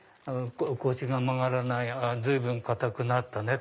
「腰が曲がらない」「随分硬くなったね」